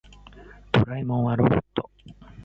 ドラえもんはロボット。